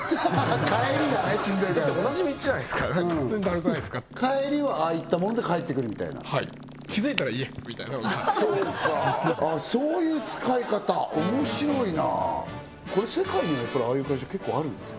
帰りがねしんどいからねだって同じ道じゃないですか何か普通にだるくないですか帰りはああいったもので帰ってくるみたいなはい気付いたら家みたいなのがそうかそういう使い方面白いなこれ世界にもやっぱりああいう会社結構あるんですか？